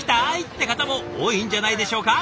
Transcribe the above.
って方も多いんじゃないでしょうか。